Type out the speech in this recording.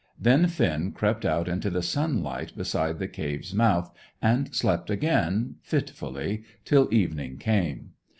Then Finn crept out into the sunlight beside the cave's mouth, and slept again, fitfully, till evening came.